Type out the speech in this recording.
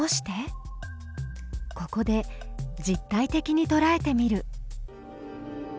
ここで実体的にとらえてみる。